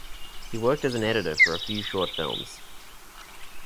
He worked as an Editor for few Short Films.